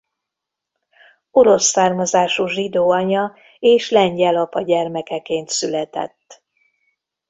Orosz származású zsidó anya és lengyel apa gyermekeként született.